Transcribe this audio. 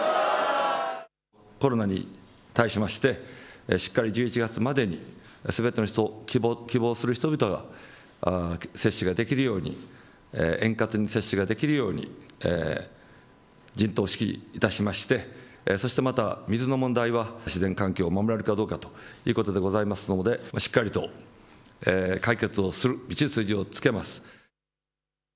コロナに対しましてしっかり１１月までにすべての人、希望する人々が接種ができるように、円滑に接種ができるように陣頭指揮いたしましてそしてまた水の問題は自然環境を守れるかどうかということでございますので、しっかりと解決をする道筋をつけます。